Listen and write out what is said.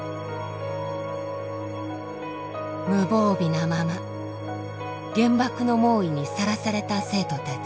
無防備なまま原爆の猛威にさらされた生徒たち。